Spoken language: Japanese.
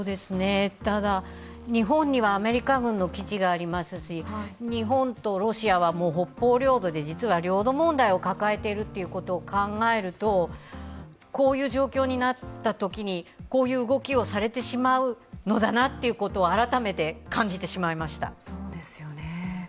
ただ、日本にはアメリカ軍の基地がありますし日本とロシアは北方領土で実は領土問題を抱えていることを考えるとこういう状況になったときにこういう動きをされてしまうのだなということを改めて感じてしまいました。